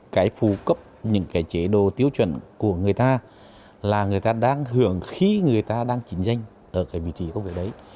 cái phụ cấp những cái chế độ tiêu chuẩn của người ta là người ta đang hưởng khi người ta đang chính danh ở cái vị trí công việc đấy